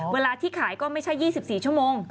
เวลาที่ขายก็ไม่ใช่๒๔ชั่วโมง